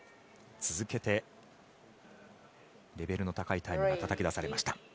続けてレベルの高いタイムがたたき出されました。